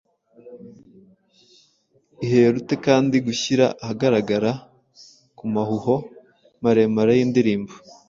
Iherute kandi guhyira ahagaragara kumahuho maremare yindirimbo